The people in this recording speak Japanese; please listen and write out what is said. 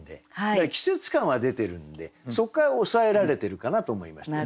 だから季節感は出てるんでそこから押さえられてるかなと思いました。